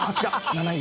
７位。